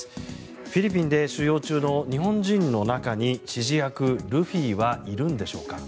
フィリピンで収容中の日本人の中に指示役・ルフィはいるんでしょうか。